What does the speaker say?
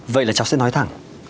vậy là cháu sẽ nói thẳng